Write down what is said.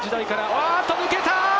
おっと、抜けた！